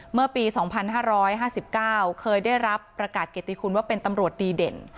เมื่อปี๒๕๕๙เคยได้รับประกาศเกติคุณว่าเป็นตำรวจดีเด่น